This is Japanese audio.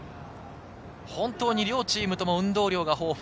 本当に両チームとも運動量が豊富。